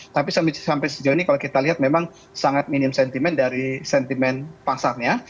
tapi sampai sejauh ini kalau kita lihat memang sangat minimum sentiment dari sentiment pasarnya